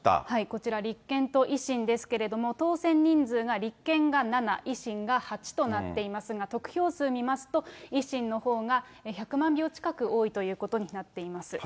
こちら、立憲と維新ですけれども、当選人数が立憲が７、維新が８となっていますが、得票数見ますと、維新のほうが１００万票近く多いということになっています。